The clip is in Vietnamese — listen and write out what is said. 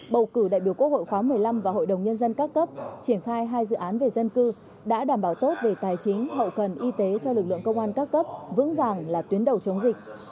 bầu cử đại biểu quốc hội khóa một mươi năm và hội đồng nhân dân các cấp triển khai hai dự án về dân cư đã đảm bảo tốt về tài chính hậu cần y tế cho lực lượng công an các cấp vững vàng là tuyến đầu chống dịch